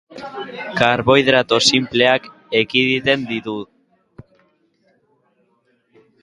Karbohidrato sinpleak ekiditen ditu.